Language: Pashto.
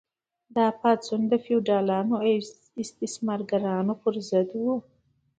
دا پاڅون د فیوډالانو او استثمارګرانو پر ضد و.